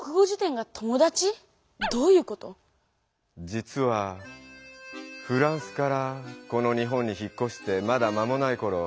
実はフランスからこの日本に引っこしてまだ間もないころ